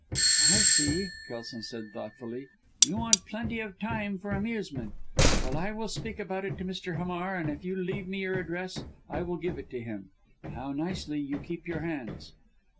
"I see!" Kelson said thoughtfully; "you want plenty of time for amusement. Well! I will speak about it to Mr. Hamar, and if you leave me your address I will give it him. How nicely you keep your hands."